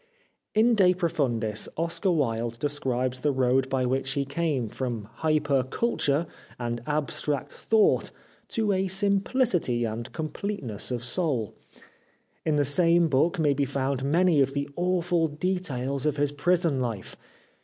In '' De Profundis " Oscar Wilde describes the road by which he came from hyper culture and abstract thought to a simplicity and complete ness of soul. In the same book may be found many of the awful details of his prison life.